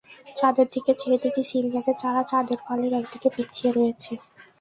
চাঁদের দিকে চেয়ে দেখি, শিমগাছের চারা চাঁদের ফালির একদিক পেঁচিয়ে ধরেছে।